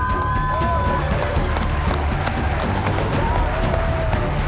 กี่โลกรัมพี่เคยชั่งมั้ย